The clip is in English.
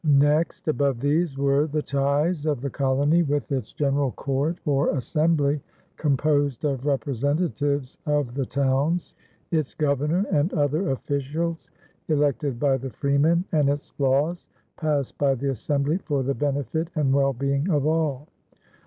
Next above these were the ties of the colony, with its general court or assembly composed of representatives of the towns, its governor and other officials elected by the freemen, and its laws passed by the assembly for the benefit and well being of all.